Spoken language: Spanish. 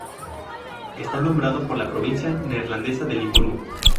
Está nombrado por la provincia neerlandesa de Limburgo.